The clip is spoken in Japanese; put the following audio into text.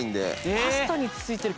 パスタについてる